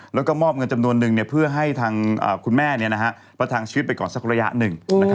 แล้วก็มอบเงินจำนวนนึงเพื่อให้ทางคุณแม่ประทังชีวิตไปก่อนสักระยะหนึ่ง